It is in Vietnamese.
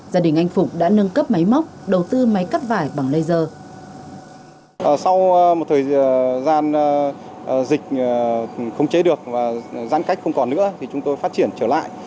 gia đình anh phục đã nâng cấp máy móc đầu tư máy cắt vải bằng laser